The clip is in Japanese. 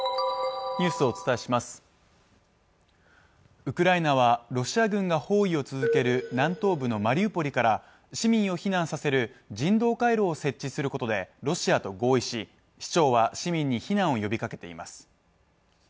はいウクライナはロシア軍が包囲を続ける南東部のマリウポリから市民を避難させる人道回廊を設置することでロシアと合意し、市長は市民に避難を呼びかけています。